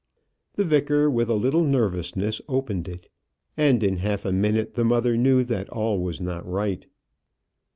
The vicar, with a little nervousness, opened it, and in half a minute the mother knew that all was not right.